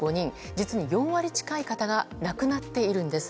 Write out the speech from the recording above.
実に４割近い方が亡くなっているんです。